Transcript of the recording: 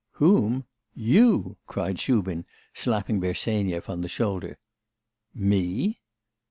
'Whom? You!' cried Shubin, slapping Bersenyev on the shoulder. 'Me!